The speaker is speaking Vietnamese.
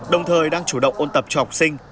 đồng thời đang chủ động ôn tập cho học sinh